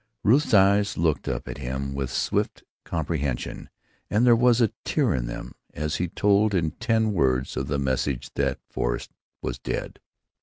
Ruth's eyes looked up at him with swift comprehension, and there was a tear in them as he told in ten words of the message that Forrest was dead.